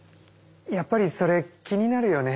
やっぱりそれ気になるよね。